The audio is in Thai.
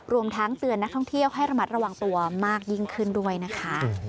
รวมทั้งเตือนนักท่องเที่ยวให้ระมัดระวังตัวมากยิ่งขึ้นด้วยนะคะ